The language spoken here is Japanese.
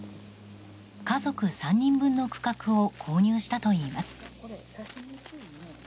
家族３人分の区画を購入したといいます。